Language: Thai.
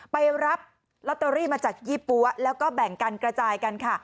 ไปรับลอตเตอรี่มาจากยี่ปั๊วแล้วก็แบ่งกันกระจายกันค่ะ